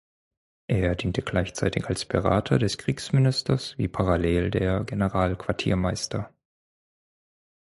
Er diente gleichzeitig als Berater des Kriegsministers, wie parallel der Generalquartiermeister.